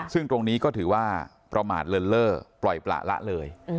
ซึ่งตรงนี้ก็ถือว่าประมาทเลินเล่อปล่อยประละเลย